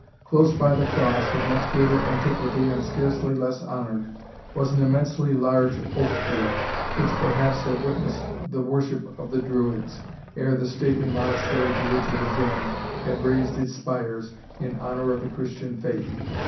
Close by the cross, of much greater antiquity, and scarcely less honoured, was an immensely large oak tree, which perhaps had witnessed the worship of the Druids, ere the stately Monastery to which it adjoined had raised its spires in honour of the Christian faith.